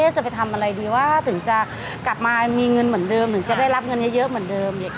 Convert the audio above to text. จะไปทำอะไรดีว่าถึงจะกลับมามีเงินเหมือนเดิมถึงจะได้รับเงินเยอะเหมือนเดิม